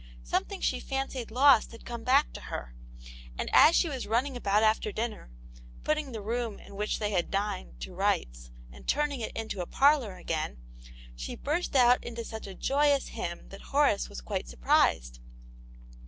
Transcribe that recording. Something she fancied lost had come back to her, and as she was running about after dinner, putting the room in which they had dined to rights, and turning it into a parlour again, she burst out into such a joyous hymn that Horace was quite surprised.